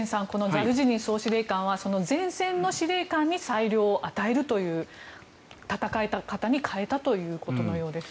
ザルジニー総司令官は前線の司令官に裁量を与えるという戦い方に変えたということです。